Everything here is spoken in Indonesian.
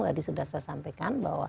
tadi sudah saya sampaikan